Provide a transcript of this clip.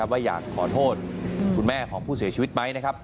ว่าอยากขอโทษคุณแม่ของผู้เสียชีวิตไหมนะครับ